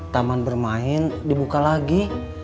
taman bermain dibuka lagi